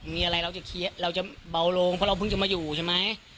มีอะไรเราจะเคลียร์เราจะเบาลงเพราะเราเพิ่งจะมาอยู่ใช่ไหม